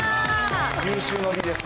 有終の美ですな。